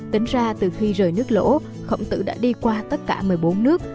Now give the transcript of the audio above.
tính ra từ khi rời nước lỗ khổng tử đã đi qua tất cả một mươi bốn nước